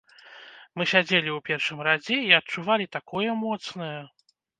Мы сядзелі ў першым радзе і адчувалі такое моцнае!